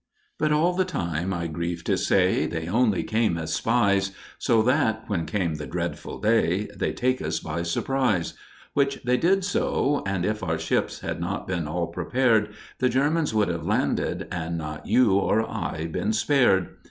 But all the time, I grieve to say, they only came as spies, So that, when came the dreadful "Day," they'd take us by surprise. Which they did do, and if our ships had not been all prepared, The Germans would have landed, and not you or I been spared.